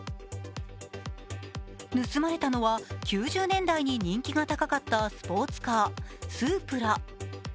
盗まれたのは９０年代に人気が高かったスポーツカー・スープラ。